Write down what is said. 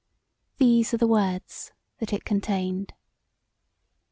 These are the words that it contained.